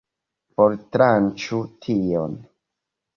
Fortranĉu tion!